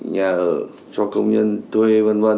nhà ở cho công nhân thuê v v